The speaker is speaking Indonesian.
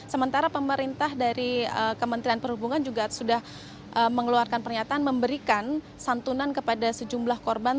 sementara pemerintah dari kementerian perhubungan juga sudah mengeluarkan pernyataan memberikan santunan kepada sejumlah korban